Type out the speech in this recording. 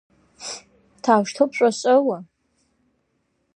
Как ты чувствуешь?